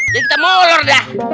jadi kita mulur dah